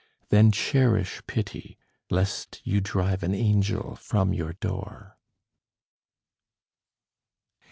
Then cherish pity, lest you drive an angel from your door.